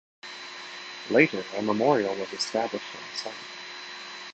Later, a memorial was established on the site.